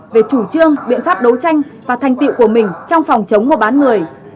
về chủ trương biện pháp đấu tranh và thành tiệu của mình trong phòng chống mua bán người